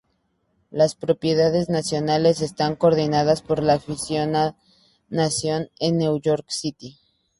Las prioridades nacionales están coordinadas por la oficina nacional en New York City.